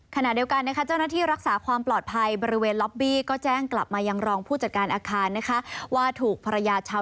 ขณะเดียวกันเจ้าหน้าที่รักษาความปลอดภัยบริเวณล็อบบี้ก็แจ้งกลับมายังรองผู้จัดการอาคาร